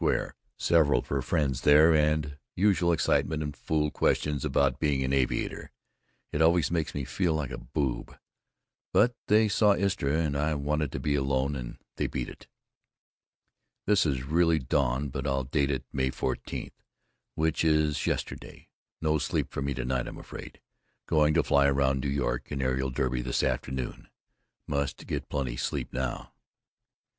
several of her friends there and usual excitement and fool questions about being an aviator, it always makes me feel like a boob. But they saw Istra and I wanted to be alone and they beat it. This is really dawn but I'll date it May 14, which is yesterday. No sleep for me to night, I'm afraid. Going to fly around NY in aerial derby this afternoon. Must get plenty sleep now.